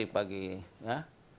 setiap hari pagi ya